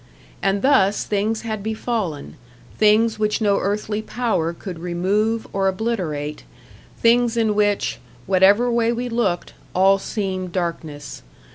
And thus things had befallen things which no earthly power could remove or obliterate things in which, whatever way we looked, all seemed darkness.